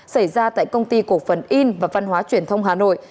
xảy ra tại công ty cổ phần in và văn hóa truyền thông hà nội